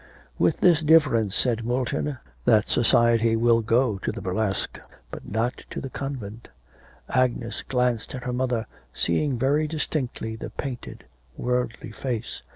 'With this difference,' said Moulton, 'that society will go to the burlesque, but not to the convent.' Agnes glanced at her mother, seeing very distinctly the painted, worldly face.